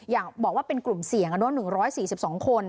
อย่างบอกว่าเป็นกลุ่มเสี่ยงกันด้วย๑๔๒คน